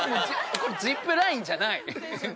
◆これジップラインじゃない。